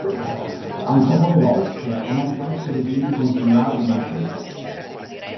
Ha un sapore dolce e non può essere quindi considerato un aceto.